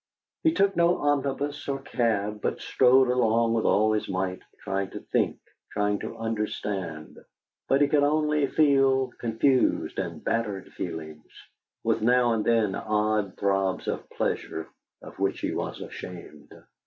He took no omnibus or cab, but strode along with all his might, trying to think, trying to understand. But he could only feel confused and battered feelings, with now and then odd throbs of pleasure of which he was ashamed.